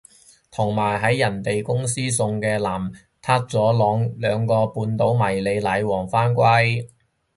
同埋喺人哋公司送嘅嗰籃撻咗兩個半島迷你奶黃返歸